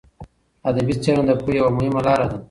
ادبي څېړنه د پوهې یوه مهمه لاره ده.